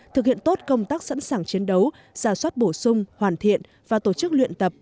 thực hiện tốt công tác sẵn sàng chiến đấu giả soát bổ sung hoàn thiện và tổ chức luyện tập